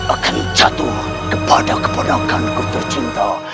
akan jatuh kepada kebenakan ku tercinta